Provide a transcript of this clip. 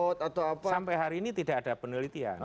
nah karena sampai hari ini sampai hari ini tidak ada penelitian